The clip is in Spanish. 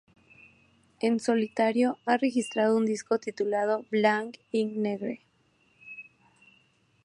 En solitario ha registrado un disco titulado "Blanc i negre".